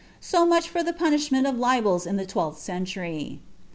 So much for the punishment of libels in tlie twellUt wnlury.